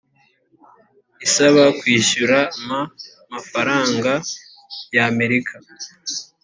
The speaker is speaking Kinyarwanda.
isaba kwishyura mmafaranga yamerika.